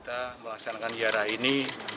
kita melaksanakan ziarah ini